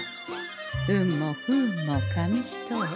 運も不運も紙一重。